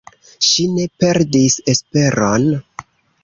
Ŝi ne perdis esperon.